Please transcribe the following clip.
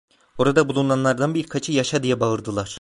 Orada bulunanlardan birkaçı, yaşa, diye bağırdılar.